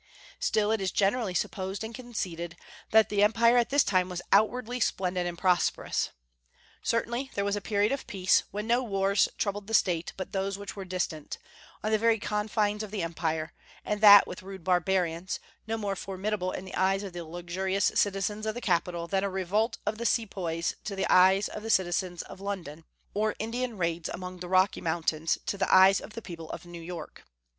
Still, it is generally supposed and conceded that the Empire at this time was outwardly splendid and prosperous. Certainly there was a period of peace, when no wars troubled the State but those which were distant, on the very confines of the Empire, and that with rude barbarians, no more formidable in the eyes of the luxurious citizens of the capital than a revolt of the Sepoys to the eyes of the citizens of London, or Indian raids among the Rocky Mountains to the eyes of the people of New York.